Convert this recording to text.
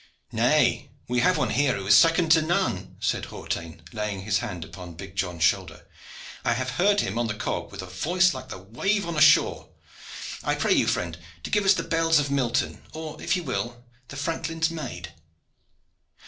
"Nay, we have one here who is second to none," said Hawtayne, laying his hand upon big John's shoulder. "I have heard him on the cog with a voice like the wave upon the shore. I pray you, friend, to give us 'The Bells of Milton,' or, if you will, 'The Franklin's Maid.'"